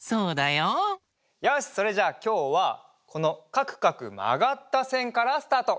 よしそれじゃあきょうはこのかくかくまがったせんからスタート！